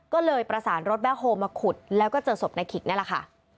ก็เลยประสานรถแบ็คโฮลมาขุดแล้วก็เจอศพนายขิกนี่แหละค่ะ